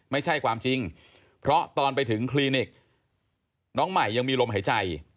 ไม่ใช่ความจริงเพราะตอนไปถึงคลินิกน้องใหม่ยังมีลมหายใจ